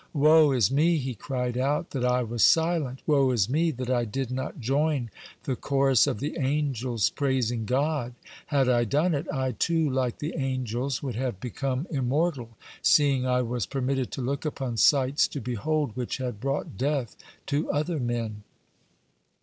"Woe is me," he cried out, "that I was silent! Woe is me that I did not join the chorus of the angels praising God! Had I done it, I, too, like the angels, would have become immortal, seeing I was permitted to look upon sights to behold which had brought death to other men."